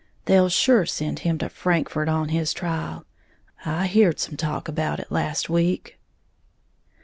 They'll sure send him to Frankfort on his trial, I heared some talk about it last week."